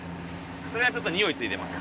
それはちょっとにおい付いてます。